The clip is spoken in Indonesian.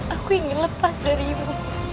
aku ingin lepas darimu